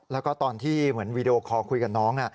แล้วก็ตอนที่เหมือนวีดีโอคอลคุยกับน้อง